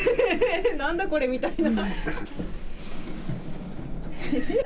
何だこれ？みたいな。